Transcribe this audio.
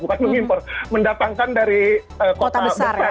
bukan mengimpor mendatangkan dari kota besar kota besar ya